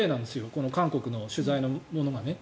この韓国の取材のものがね。